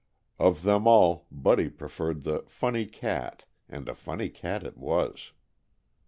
Of them all Buddy preferred the "funny cat," and a funny cat it was.